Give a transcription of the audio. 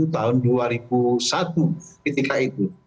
tahun dua ribu satu ketika itu